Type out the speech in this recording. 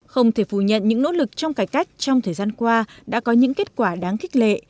không thể phủ nhận những nỗ lực trong cải cách trong thời gian qua đã có những kết quả đáng khích lệ